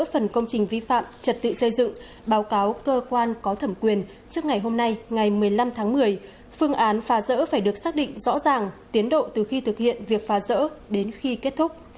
phần công trình vi phạm trật tự xây dựng báo cáo cơ quan có thẩm quyền trước ngày hôm nay ngày một mươi năm tháng một mươi phương án phá rỡ phải được xác định rõ ràng tiến độ từ khi thực hiện việc phá rỡ đến khi kết thúc